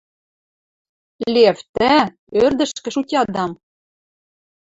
— Лев, тӓ — ӧрдӹжкӹ шутядам!..